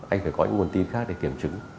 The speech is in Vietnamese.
anh phải có những nguồn tin khác để kiểm chứng